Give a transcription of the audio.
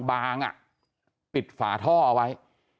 บางอ่ะปิดฝาท่อเอาไว้